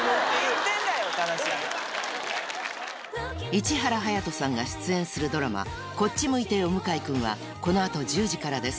市原隼人さんが出演するドラマ『こっち向いてよ向井くん』はこの後１０時からです